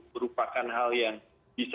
merupakan hal yang bisa